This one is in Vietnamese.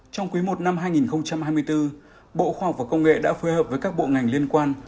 trong quý i năm hai nghìn hai mươi bốn bộ khoa học và công nghệ đã phối hợp với các bộ ngành liên quan